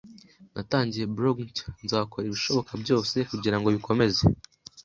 Natangiye blog nshya. Nzakora ibishoboka byose kugirango bikomeze